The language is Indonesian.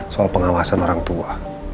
soal pengawasan orang tua